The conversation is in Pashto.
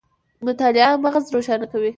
مطالعه مغز روښانه کوي